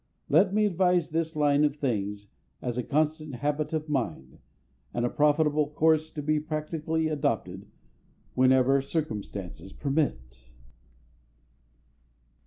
Let me advise this line of things as a constant habit of mind, and a profitable course to be practically adopted whenever circumstances permit.